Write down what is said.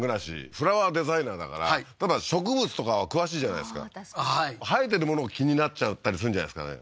フラワーデザイナーだから植物とかは詳しいじゃないですかはい生えてるもの気になっちゃったりするんじゃないですかね